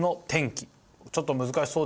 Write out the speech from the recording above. ちょっと難しそうですけども。